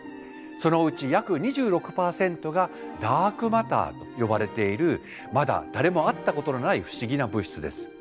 そのうち約２６％がダークマターと呼ばれているまだ誰も会ったことのない不思議な物質です。